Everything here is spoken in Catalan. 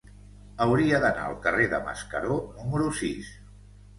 Hauria d'anar al carrer de Mascaró número sis.